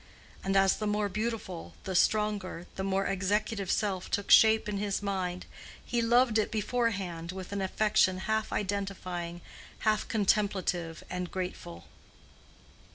And as the more beautiful, the stronger, the more executive self took shape in his mind, he loved it beforehand with an affection half identifying, half contemplative and grateful.